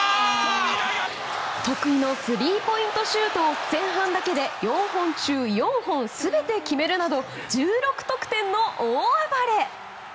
得意のスリーポイントシュートを前半だけで４本中４本全て決めるなど１６得点の大暴れ。